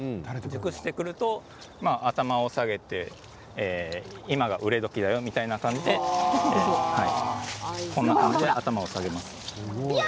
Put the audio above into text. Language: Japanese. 熟すと頭を下げて今が熟れ時だよという感じでこんな感じで頭を下げます。